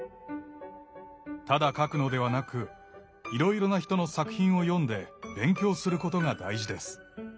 ただ書くのではなくいろいろな人の作品を読んで勉強することが大事です。